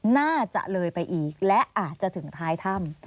น่าจะเลยไปอีกและอาจจะถึงท้ายถ้ำ